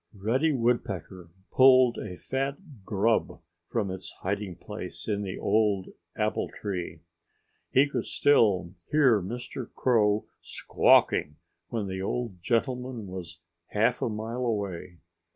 Reddy Woodpecker pulled a fat grub from its hiding place in the old apple tree. He could still hear Mr. Crow squawking when the old gentleman was half a mile away.